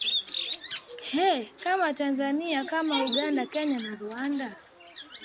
ee kama tanzania kama uganda kenya na rwanda